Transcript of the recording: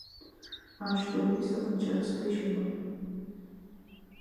Aș dori să vă cer sprijinul.